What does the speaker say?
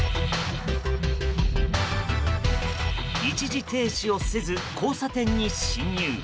一時停止をせず交差点に進入。